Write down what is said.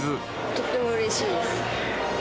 とってもうれしいです。